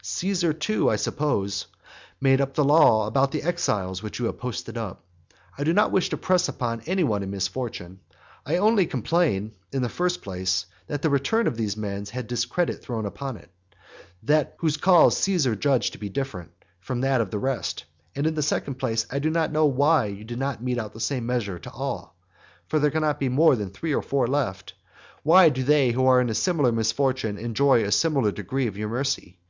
Caesar too, I suppose, made the law about the exiles which you have posted up. I do not wish to press upon any one in misfortune; I only complain, in the first place, that the return of those men has had discredit thrown upon it, whose cause Caesar judged to be different from that of the rest; and in the second place, I do not know why you do not mete out the same measure to all. For there can not be more than three or four left. Why do not they who are in similar misfortune enjoy a similar degree of your mercy?